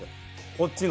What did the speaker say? こっちの。